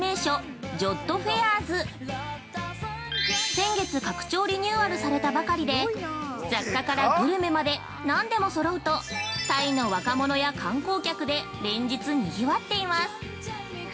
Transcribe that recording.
先月、拡張リニューアルされたばかりで雑貨からグルメまで何でもそろうとタイの若者や観光客で連日にぎわっています。